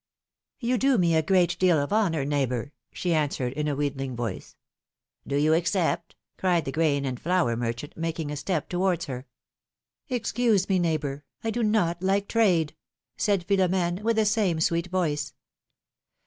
'^You do me a great deal of honor, neighbor," she answered, in a wheedling voice. Do you accept ?" cried the grain and flour merchant, making a step towards her. Excuse me, neighbor, I do not like trade," said Philo m^ne, with the same sweet voice.